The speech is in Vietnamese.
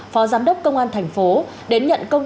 phó giám đốc công an thành phố đà nẵng